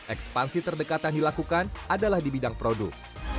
ekspansi terdekat yang dilakukan adalah di bidang produk